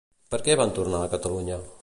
Per què van tornar a Catalunya?